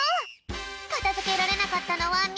かたづけられなかったのは３つ。